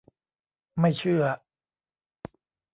ไม่เชื่อ !